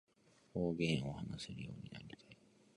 方言を話せるようになりたい